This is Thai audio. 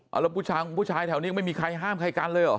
เอาแล้วผู้ชายผู้ชายแถวนี้ไม่มีใครห้ามใครกันเลยเหรอ